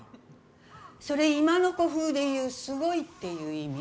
それ、今の子風で言う「すごい」っていう意味？